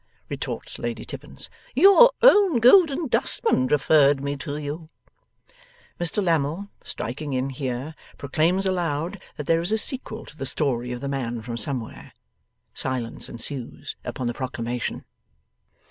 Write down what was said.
retorts Lady Tippins. 'Your own Golden Dustman referred me to you.' Mr Lammle, striking in here, proclaims aloud that there is a sequel to the story of the man from somewhere. Silence ensues upon the proclamation.